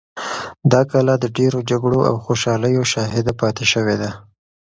دا کلا د ډېرو جګړو او خوشحالیو شاهده پاتې شوې ده.